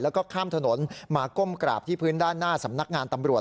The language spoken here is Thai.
แล้วก็ข้ามถนนมาก้มกราบที่พื้นด้านหน้าสำนักงานตำรวจ